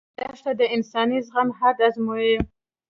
دښته د انساني زغم حد ازمويي.